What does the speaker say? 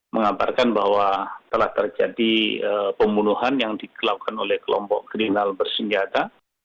mengabarkan bahwa telah terjadi pembunuhan yang dikelakukan oleh kelompok kriminal bersenjata